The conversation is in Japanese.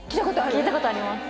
聞いたことあります